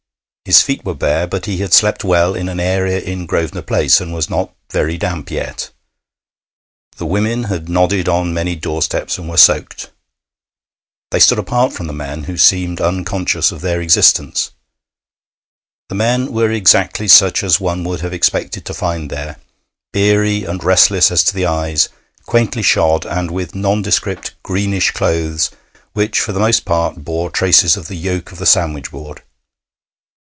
His feet were bare, but he had slept well in an area in Grosvenor Place, and was not very damp yet. The women had nodded on many doorsteps, and were soaked. They stood apart from the men, who seemed unconscious of their existence. The men were exactly such as one would have expected to find there beery and restless as to the eyes, quaintly shod, and with nondescript greenish clothes which for the most part bore traces of the yoke of the sandwich board.